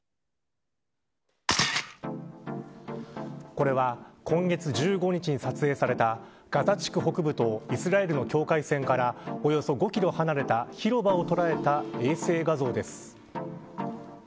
これは今月１５日に撮影されたガザ地区北部とイスラエルの境界線からおよそ５キロ離れた広場を捉えた衛星画像です。